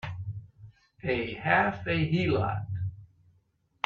A half a heelot!